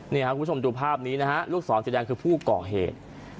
นี่ครับคุณผู้ชมดูภาพนี้นะฮะลูกศรสีแดงคือผู้ก่อเหตุ